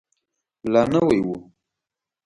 لا نوی و.